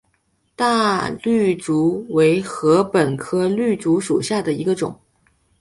大绿竹为禾本科绿竹属下的一个种。